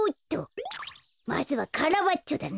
まずはカラバッチョだな。